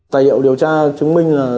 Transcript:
tài liệu điều tra chứng minh là